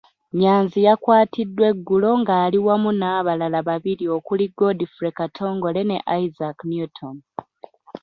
Nyanzi yakwatiddwa eggulo nga ali wamu n'abalala babiri okuli Godfrey Katongole ne Isaac Newton.